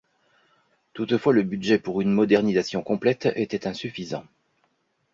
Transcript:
Toutefois le budget pour une modernisation complète était insuffisant.